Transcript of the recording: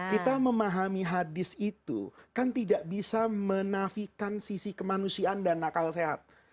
kita memahami hadis itu kan tidak bisa menafikan sisi kemanusiaan dan nakal sehat